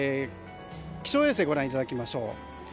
気象衛星をご覧いただきましょう。